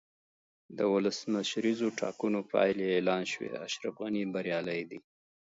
د ولسمشریزو ټاکنو پایلې اعلان شوې، اشرف غني بریالی دی.